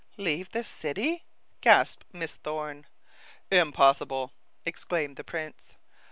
"Leave the city?" gasped Miss Thorne. "Impossible!" exclaimed the prince.